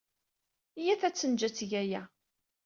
Iyyat ad tt-neǧǧ ad teg aya.